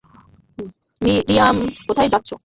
Miriam, কোথায় যাচ্ছো?